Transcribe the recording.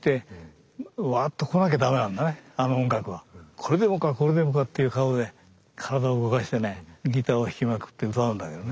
「これでもかこれでもか！」っていう顔で体を動かしてねギターを弾きまくって歌うんだけどね